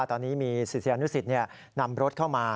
ตอนนี้มีศิษยานุสิตนำรถเข้ามา